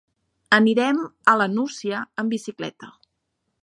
Anirem a la Nucia amb bicicleta.